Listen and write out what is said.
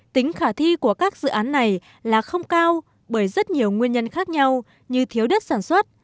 tính khả thi của các dự án này là không cao bởi rất nhiều nguyên nhân khác nhau như thiếu đất sản xuất